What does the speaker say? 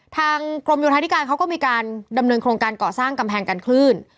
ทางกรมโยธาธิการเขาก็มีการดำเนินโครงการก่อสร้างกำแพงกันคลื่น